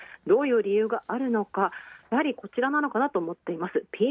どういう理由があるのかやはりこちらかなと思います。